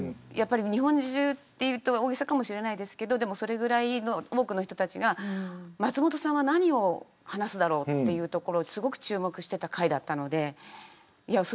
日本中というと大げさかもしれませんがそのぐらい多くの人たちが松本さんが何を話すだろうというところに注目していた回だったので。